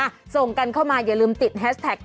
ส่งกันเข้ามาอย่าลืมติดแฮชแท็ก